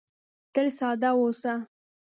تل ساده واوسه .